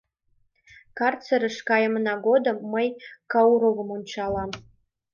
Карцерыш кайымына годым мый Кауровым ончалам.